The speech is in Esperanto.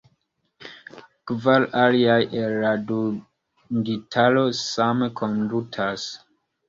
Kvar aliaj el la dungitaro same kondutas.